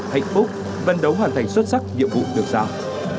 hạnh phúc vận đấu hoàn thành xuất sắc nhiệm vụ được giao